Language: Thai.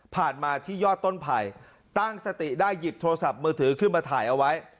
มาที่ยอดต้นไผ่ตั้งสติได้หยิบโทรศัพท์มือถือขึ้นมาถ่ายเอาไว้